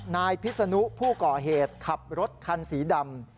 นายพิษนุผู้ก่อเหตุขับรถคันสีดำ